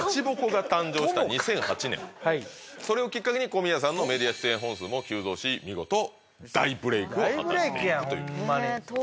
それをきっかけに小宮さんのメディア出演本数も急増し見事大ブレイクを果たしていくという。